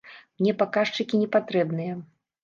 Мне паказчыкі не патрэбныя.